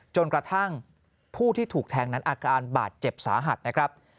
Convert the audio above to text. จนกระทั่งผู้ที่ถูกแทงนั้นอาการบาดเจ็บสาหัสนะครับ